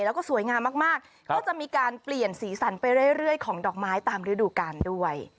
แล้วก็สวยงามมากก็จะมีการเปลี่ยนสีสันไปเรื่อยของดอกไม้ตามฤดูกาลด้วย